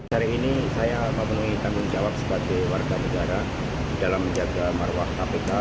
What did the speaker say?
hari ini saya memenuhi tanggung jawab sebagai warga negara dalam menjaga marwah kpk